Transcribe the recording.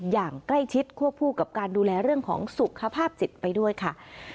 อย่างใกล้ชิดควบคู่กับการดูแลเรื่องของสุขภาพจิตไปด้วยค่ะ